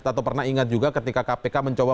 atau pernah ingat juga ketika kpk mencoba